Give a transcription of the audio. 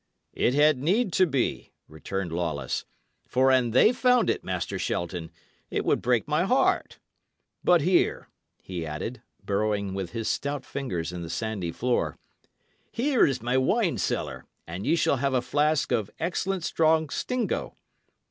"It had need to be," returned Lawless, "for an they found it, Master Shelton, it would break my heart. But here," he added, burrowing with his stout fingers in the sandy floor, "here is my wine cellar; and ye shall have a flask of excellent strong stingo."